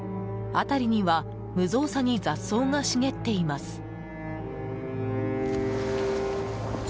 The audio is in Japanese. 辺りには無造作に雑草が茂っています。